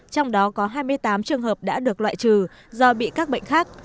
trong đó có hai mươi tám trường hợp đã được loại trừ do bị các bệnh khác